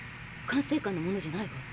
管制官のものじゃないわ。